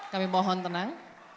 kami mohon tenang